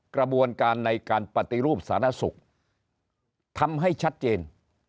กระบวนการในการปฏิรูปสาธารณสุขทำให้ชัดเจน